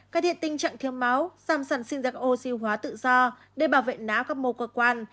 cải thiện tình trạng thiếu máu giảm sẵn sinh ra các oxy hóa tự do để bảo vệ não các mô cơ quan